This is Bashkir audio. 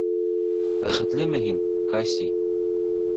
Бәхетлеме һин, Кассий?